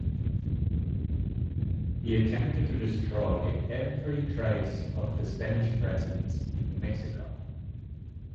He attempted to destroy every trace of the Spanish presence in New Mexico.